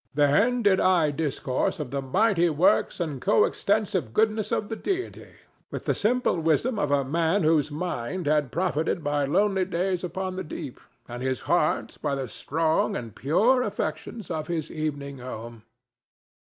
Then did I discourse of the mighty works and coextensive goodness of the Deity with the simple wisdom of a man whose mind had profited by lonely days upon the deep and his heart by the strong and pure affections of his evening home.